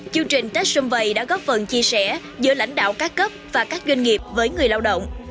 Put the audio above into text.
chương trình tết xuân vầy đã góp phần chia sẻ giữa lãnh đạo các cấp và các doanh nghiệp với người lao động